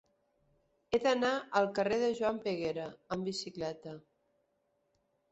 He d'anar al carrer de Joan de Peguera amb bicicleta.